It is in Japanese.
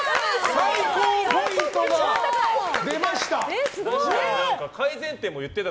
最高ポイントが出ました。